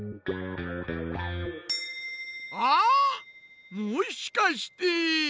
あっもしかして！